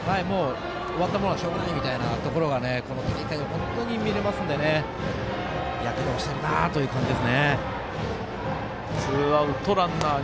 終わったものはしょうがないというのがこの大会、見られますので躍動しているなという感じです。